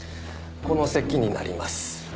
この席になります。